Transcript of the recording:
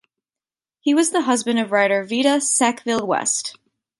He was the husband of writer Vita Sackville-West.